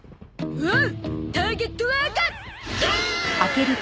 おう！